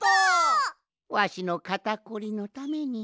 わしのかたこりのために。